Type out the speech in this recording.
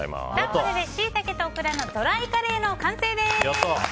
これでシイタケとオクラのドライカレーの完成です。